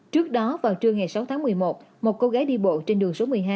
trước đó vào trưa ngày sáu tháng một mươi một một cô gái đi bộ trên đường số một mươi hai